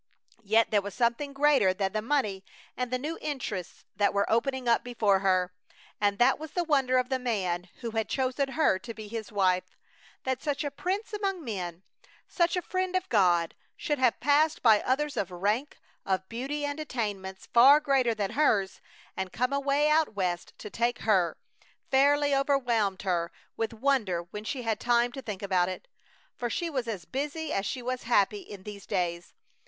Yet there was something greater than the money and the new interests that were opening up before her, and that was the wonder of the man who had chosen her to be his wife. That such a prince among men, such a friend of God, should have passed by others of rank, of beauty and attainments far greater than hers, and come away out West to take her, fairly overwhelmed her with wonder when she had time to think about it. For she was as busy as she was happy in these days.